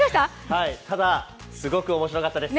ただ、すごく面白かったです。